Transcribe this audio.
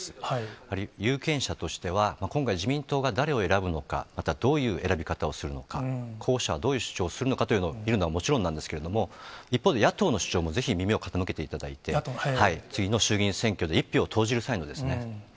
やはり有権者としては、今回、自民党が誰を選ぶのか、またどういう選び方をするのか、候補者はどういう主張をするのかというのを見るのはもちろんなんですけれども、一方で野党の主張もぜひ耳を傾けていただいて、さあ、続いてはこちらです。